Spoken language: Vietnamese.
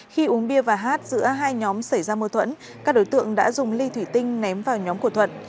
khi uống bia và hát giữa hai nhóm xảy ra mô thuẫn các đối tượng đã dùng ly thủy tinh ném vào nhóm của thuận